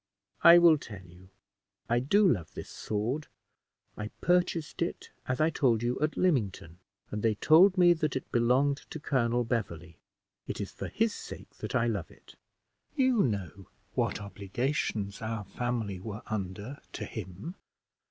"I will tell you. I do love this sword. I purchased it, as I told you, at Lymington, and they told me that it belonged to Colonel Beverley. It is for his sake that I love it. You know what obligations our family were under to him."